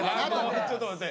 あらちょっと待って！